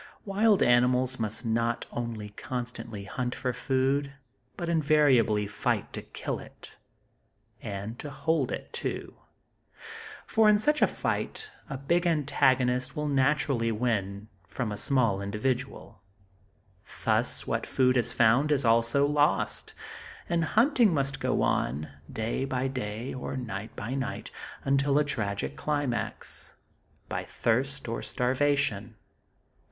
Wild animals must not only constantly hunt for food, but invariably fight to kill it and to hold it, too; for, in such a fight, a big antagonist will naturally win from a small individual. Thus, what food is found, is also lost; and hunting must go on, day by day, or night by night until a tragic climax by thirst or starvation.